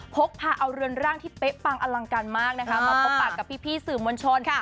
พกพาเอาเรือนร่างที่เป๊ะปังอลังการมากนะคะมาพบปากกับพี่สื่อมวลชน